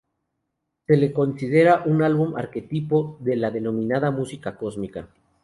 Se le considera un álbum arquetipo de la denominada "música cósmica".